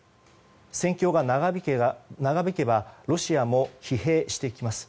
戦況が長引けばロシアも疲弊してきます。